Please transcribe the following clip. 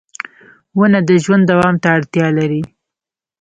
• ونه د ژوند دوام ته اړتیا لري.